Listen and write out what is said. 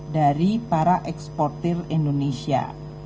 dari para eksportir indonesia